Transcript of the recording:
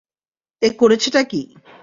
এ করছেটা কী?